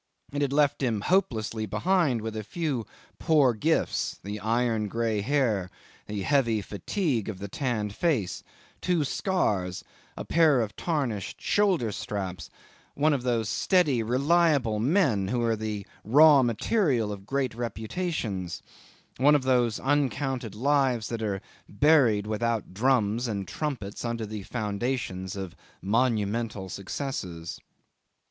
It had left him hopelessly behind with a few poor gifts: the iron grey hair, the heavy fatigue of the tanned face, two scars, a pair of tarnished shoulder straps; one of those steady, reliable men who are the raw material of great reputations, one of those uncounted lives that are buried without drums and trumpets under the foundations of monumental successes.